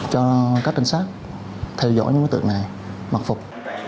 cho các trinh sát theo dõi những đối tượng này mật phục